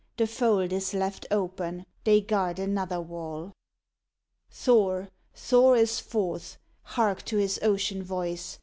The fold is left open; they guard another wall. "Thor! Thor is forth! Hark to his ocean voice!